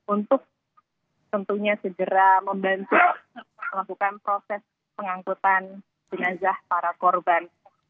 untuk tentunya segera membantu melakukan proses pengangkutan jenazah para korban